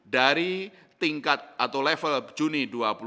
dari tingkat atau level juni dua ribu dua puluh